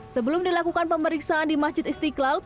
sebelum dilakukan pemeriksaan di masjid istiqlal